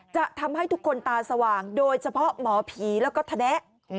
จะทำให้ทุกคนตาสว่างโดยเฉพาะหมอผีแล้วก็ทะแนะ